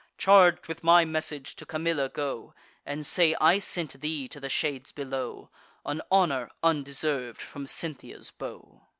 Charg'd with my message, to Camilla go, And say I sent thee to the shades below, An honour undeserv'd from Cynthia's bow."